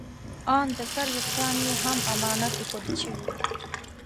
ان د سر ویښتان یې هم امانت ایښودل شوي وو.